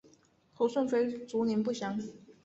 胡顺妃卒年不详。